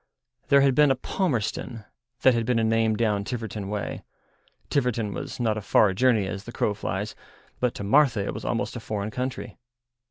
There had been a Palmerston, that had been a name down Tiverton way; Tiverton was not a far journey as the crow flies, but to Martha it was almost a foreign country.